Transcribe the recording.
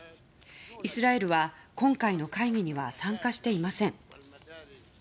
イスラエルは今回の会議には参加していません。